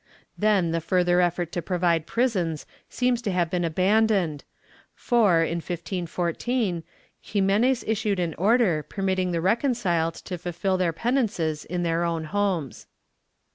Then the further effort to provide prisons seems to have been abandoned for, in 1514, Ximenes issued an order permitting the reconciled to fulfil their penances in their own homes.